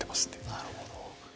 なるほど。